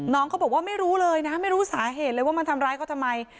น้องเขาบอกว่าไม่รู้เลยนะไม่รู้สาเหตุเลยว่ามันทำร้ายเขาทำไม